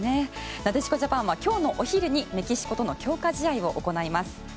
なでしこジャパンは今日のお昼にメキシコとの強化試合を行います。